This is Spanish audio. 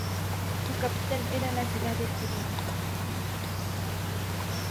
Su capital era la ciudad de Turín.